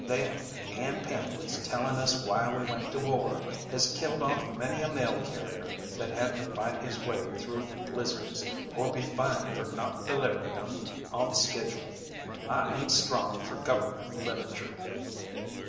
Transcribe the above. Them, and pamphlets tellin' us why we went to war, has killed off many a mail carrier that had to fight his way through blizzards, or be fined fer not deliverin' 'em on schedule. I ain't strong fer gover'mint literature."